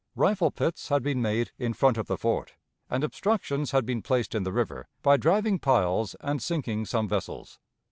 Rifle pits had been made in front of the fort, and obstructions had been placed in the river by driving piles, and sinking some vessels.